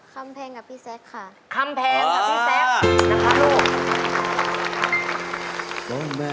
คำเพลงกับพี่แซ็กค่ะ